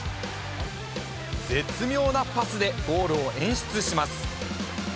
絶妙なパスでゴールを演出します。